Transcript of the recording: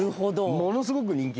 ものすごく人気で。